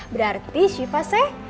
berarti syifa se